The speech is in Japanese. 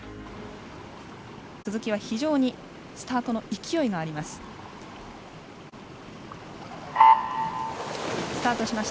鈴木は非常にスタートの勢いがあります。